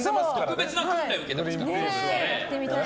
特別な訓練を受けていますから。